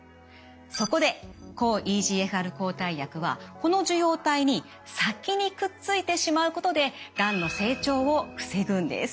そこで抗ＥＧＦＲ抗体薬はこの受容体に先にくっついてしまうことでがんの成長を防ぐんです。